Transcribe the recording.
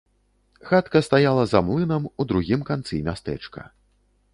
Хатка стаяла за млынам у другім канцы мястэчка.